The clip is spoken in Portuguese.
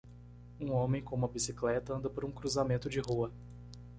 Um homem com uma bicicleta anda por um cruzamento de rua.